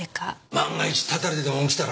万が一たたりでも起きたら。